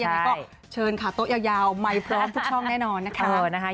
ยังไงก็เชิญค่ะโต๊ะยาวใหม่พร้อมทุกช่องแน่นอนนะคะ